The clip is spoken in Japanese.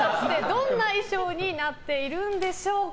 どんな衣装になっているんでしょうか。